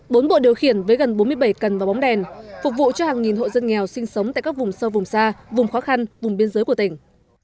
bốn bộ điều khiển với gần bốn mươi bảy cần và bóng đèn phục vụ cho hàng nghìn hộ dân nghèo sinh sống tại các vùng sâu vùng xa vùng khó khăn vùng biên giới của tỉnh